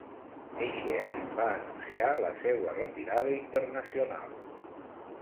Eixe any va anunciar la seua retirada internacional.